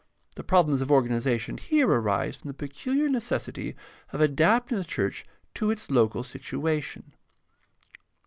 The problems of organization here arise from the peculiar necessity of adapting the church to its local situation.